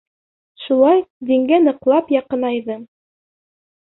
Шулай дингә ныҡлап яҡынайҙым.